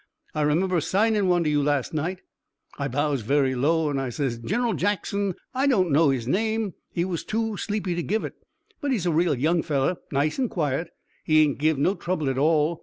I remember 'signin' one to you last night.' I bows very low an' I says: 'Gin'ral Jackson, I don't know his name. He was too sleepy to give it, but he's a real young fellow, nice an' quiet. He ain't give no trouble at all.